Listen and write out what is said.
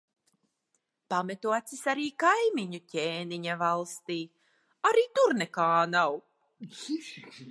Pametu acis arī kaimiņu ķēniņa valstī. Arī tur nekā nav.